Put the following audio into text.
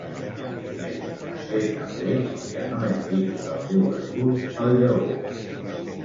Mes sé també que no és digne del teu escut el lleó.